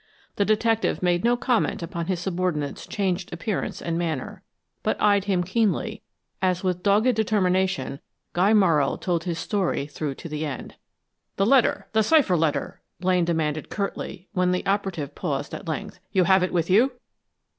The detective made no comment upon his subordinate's changed appearance and manner, but eyed him keenly as with dogged determination Guy Morrow told his story through to the end. "The letter the cipher letter!" Blaine demanded, curtly, when the operative paused at length. "You have it with you?"